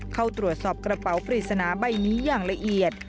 เข้าตรวจสอบกระเป๋าปริศนาใบนี้อย่างละเอียด